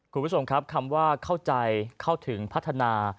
คุณผู้ชมครับคำว่าเข้าใจเข้าถึงพัฒนา